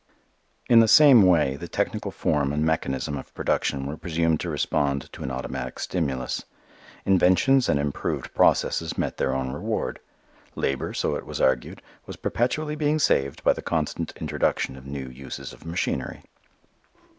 In the same way the technical form and mechanism of production were presumed to respond to an automatic stimulus. Inventions and improved processes met their own reward. Labor, so it was argued, was perpetually being saved by the constant introduction of new uses of machinery.